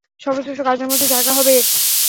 সর্বশ্রেষ্ঠ কাজের মধ্যে জায়গা হবে এর।